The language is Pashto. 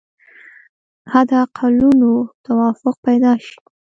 حد اقلونو توافق پیدا شي.